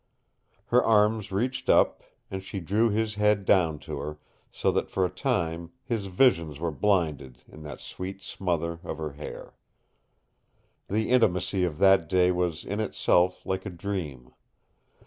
Her arms reached up, and she drew his head down to her, so that for a time his visions were blinded in that sweet smother of her hair. The intimacy of that day was in itself like a dream.